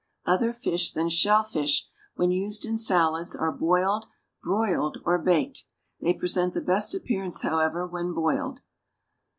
Other fish than shellfish, when used in salads, are boiled, broiled or baked; they present the best appearance, however, when boiled.